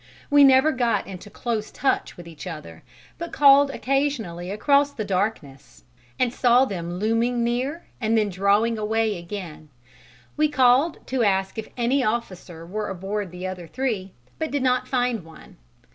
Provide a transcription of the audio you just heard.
We never got into close touch with each other, but called occasionally across the darkness and saw them looming near and then drawing away again; we called to ask if any officer were aboard the other three, but did not find one.